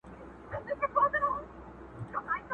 زما او ستا تر منځ یو نوم د شراکت دئ!.